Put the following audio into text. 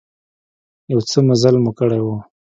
يو څه مزل مو کړى و.